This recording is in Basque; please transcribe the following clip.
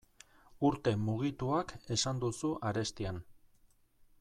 Urte mugituak esan duzu arestian.